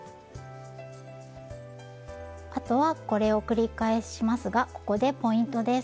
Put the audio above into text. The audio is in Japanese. あとはこれを繰り返しますがここでポイントです。